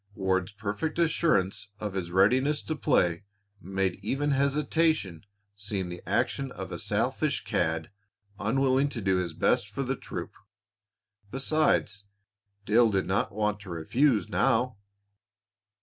Ward's perfect assurance of his readiness to play made even hesitation seem the action of a selfish cad unwilling to do his best for his troop. Besides, Dale did not want to refuse now.